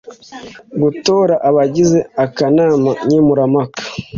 Gutora abagize akanama nkemurampaka